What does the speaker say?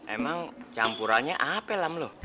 emang campurannya ape lam lu